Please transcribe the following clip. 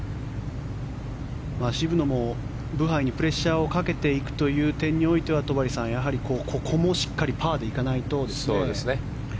渋野もブハイにプレッシャーをかけていくという点においては戸張さん、ここもしっかりパーで行かないとですね。